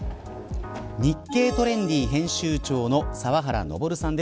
日経トレンディ編集長の澤原昇さんです。